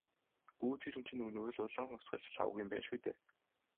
Өө тэр хүн чинь өнөө л «улаан хувьсгалч» Лхагва юм байна шүү дээ.